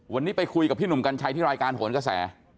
วันนี้ไปคุยกับพี่หนุ่มกัญชัยที่รายการโหนกระแส